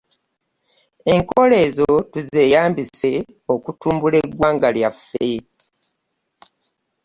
Enkola ezo tuzeeyambise okutumbula eggwanga lyaffe